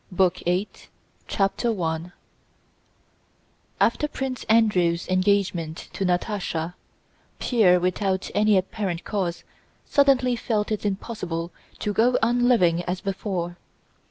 BOOK EIGHT: 1811 12 CHAPTER I After Prince Andrew's engagement to Natásha, Pierre without any apparent cause suddenly felt it impossible to go on living as before.